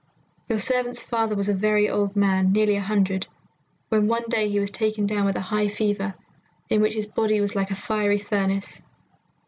Your servant's father was a very old man, nearly a hundred, when one day he was taken down with a high fever, in which his body was like a fiery furnace.